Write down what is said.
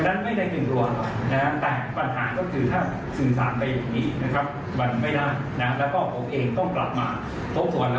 คุณทำอย่างนี้กับสำในสำนักงานอายการนะครับผู้รับสารส่วนมา